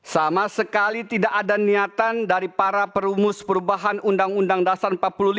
sama sekali tidak ada niatan dari para perumus perubahan undang undang dasar empat puluh lima